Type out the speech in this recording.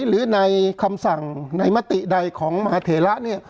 หรือในคำสั่งในมติใดของมหาเทระเนี่ย